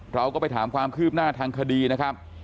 เราก็ไปถามความคืบหน้าทางคดีนะครับ